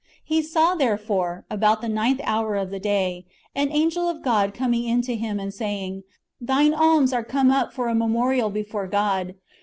He saw therefore, about the ninth hour of the day, an angel of God coming in to him, and saying. Thine alms are come up for a memorial before God.